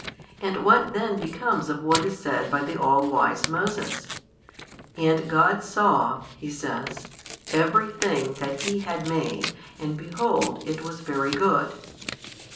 And what then becomes of what is said by the all wise Moses, And God saw (he says) every thing that He had made, and behold it was very good?